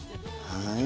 はい。